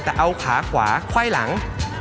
แต่เอาขาขวาไขว้หลัง